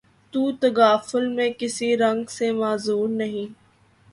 تو تغافل میں کسی رنگ سے معذور نہیں